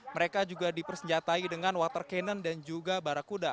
mereka juga dipersenjatai dengan water cannon dan juga barakuda